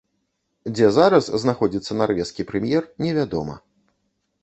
Дзе зараз знаходзіцца нарвежскі прэм'ер, невядома.